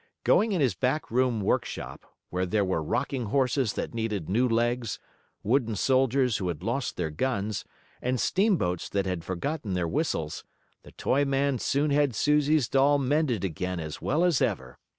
Going in his back room workshop, where there were rocking horses that needed new legs, wooden soldiers who had lost their guns, and steamboats that had forgotten their whistles, the toy man soon had Susie's doll mended again as well as ever.